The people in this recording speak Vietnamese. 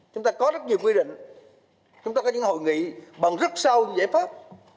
chúng ta có rất nhiều quy định chúng ta có những hội nghị bằng rất sâu những giải pháp